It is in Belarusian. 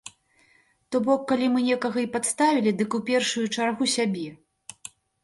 То бок, калі мы некага і падставілі, дык у першую чаргу сябе!